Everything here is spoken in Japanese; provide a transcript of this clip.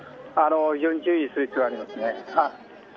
非常に注意する必要ありますね。